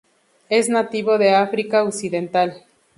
Es nativo de África Occidental.